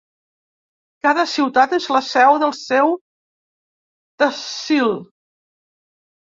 Cada ciutat és la seu del seu tehsil.